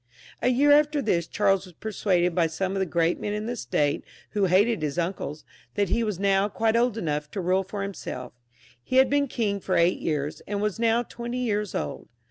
A year after tl]as, Charles was persuaded by some of the great men in the State^ who hated his uncles, that he was now quite old enough to rule for himsel£ He had been king for eight years, and was now twenty years old.